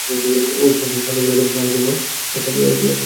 ওসমান সাহেব ক্লান্ত গলায় বললেন, আমার জন্যে এক কাপ চা দিতে বল।